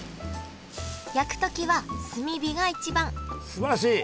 焼く時は炭火が一番すばらしい！